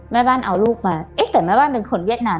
แม่บ้านเอาลูกมาเอ๊ะแต่แม่บ้านเป็นคนเวียดนาม